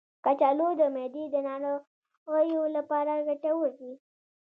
کچالو د معدې د ناروغیو لپاره ګټور دی.